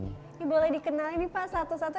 ini boleh dikenal ini pak satu satu